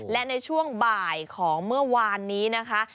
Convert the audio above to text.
และในช่วงบ่ายของเมื่อวานนี้นะคะ